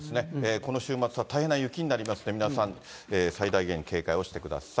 この週末は大変な雪になりますので、皆さん、最大限警戒をしてください。